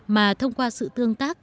mà thông qua sự tương tác